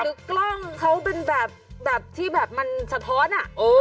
คือกล้องเขาเป็นแบบที่แบบมันสะท้อน